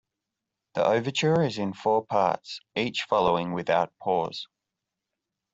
The overture is in four parts, each following without pause.